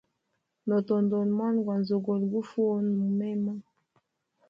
Notondola mwana gwa nzogolo gufa uhona mumema.